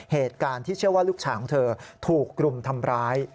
เหตุการณ์ที่เชื่อว่าลูกชายของเธอถูกกลุ่มทำร้าย